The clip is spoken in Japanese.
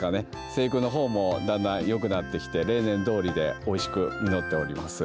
生育のほうも、だんだんよくなってきて例年どおりでおいしくなっております。